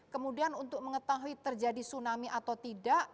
kemudian untuk mengetahui terjadi tsunami atau tidak